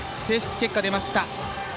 正式結果、出ました。